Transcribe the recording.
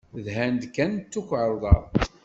Dhan-d kan d tukarḍa.